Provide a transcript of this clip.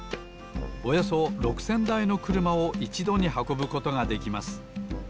およそ６，０００だいのくるまをいちどにはこぶことができます